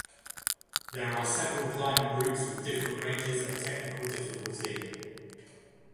There are several climbing routes with different ranges of technical difficulty.